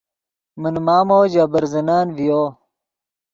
من مامو ژے برزنن ڤیو